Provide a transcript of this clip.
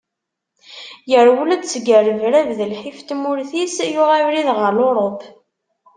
Yerwel-d seg rrebrab d lḥif n tmurt-is yuɣ abrid ɣer Lurup.